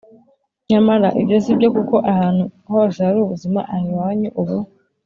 Nyamara ibyo si byo kuko ahantu hose hari ubuzima Aho i wanyu ubu